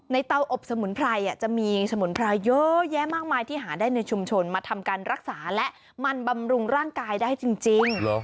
เตาอบสมุนไพรจะมีสมุนไพรเยอะแยะมากมายที่หาได้ในชุมชนมาทำการรักษาและมันบำรุงร่างกายได้จริง